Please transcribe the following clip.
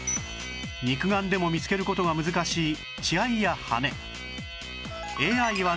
肉眼でも見つける事が難しい血合いや羽根